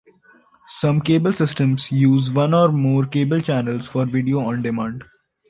Some cable systems use one or more cable channels for video on demand.